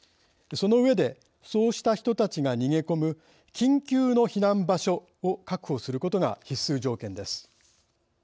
その上でそうした人たちが逃げ込む緊急の避難場所を確保することが必須条件です。